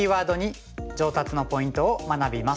上達のポイントを学びます。